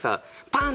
パン